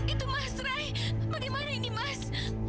itu mas rai bagaimana ini mas